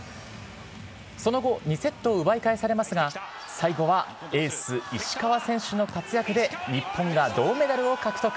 その後、２セットを奪い返されますが、最後はエース、石川選手の活躍で、日本が銅メダルを獲得。